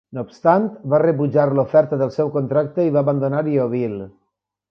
No obstant, va rebutjar l'oferta del seu contracte i va abandonar Yeovil.